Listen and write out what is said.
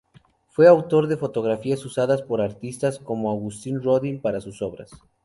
Fue autor de fotografías usadas por artistas como Auguste Rodin para sus obras.